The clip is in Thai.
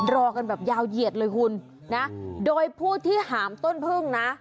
รอกันแบบยาวเหยียดเลยคุณนะโดยผู้ที่หามต้นพึ่งนะ